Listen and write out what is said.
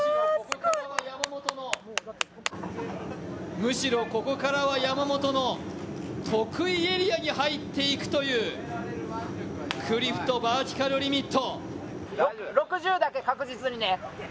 むしろここからは山本の得意エリアに入っていくというクリフとバーティカルリミット。